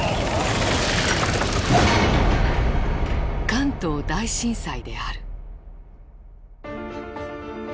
関東大震災である。